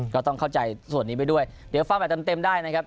ก็ต้องเข้าใจส่วนนี้ไปด้วยเดี๋ยวฟังแบบเต็มได้นะครับ